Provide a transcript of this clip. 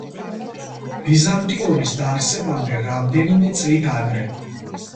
ბიზანტიონის დაარსებამდე რამდენიმე წლით ადრე.